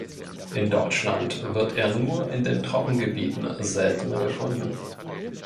In Deutschland wird er nur in den Trockengebieten seltener gefunden.